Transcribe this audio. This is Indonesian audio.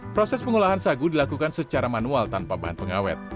proses pengolahan sagu dilakukan secara manual tanpa bahan pengawet